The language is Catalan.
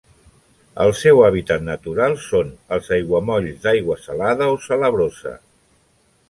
El seu hàbitat natural són els aiguamolls d'aigua salada o salabrosa.